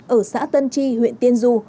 ở xã tân tri huyện tiên du